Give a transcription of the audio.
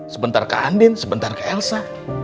sebentar ke andin sebentar ke elsa